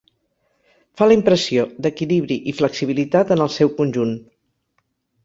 Fa la impressió d'equilibri i flexibilitat en el seu conjunt.